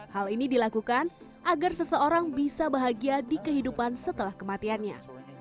hal ini dilakukan agar seseorang bisa bahagia di kehidupan setelah kematiannya